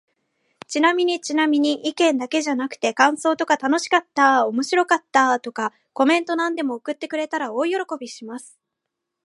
ちなみにちなみに、意見だけじゃなくて感想とか楽しかった〜おもろかった〜とか、コメントなんでも送ってくれたら大喜びします。